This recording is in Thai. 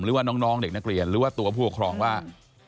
หรือว่าน้องเด็กนักเรียนหรือว่าตัวผู้ปกครองว่า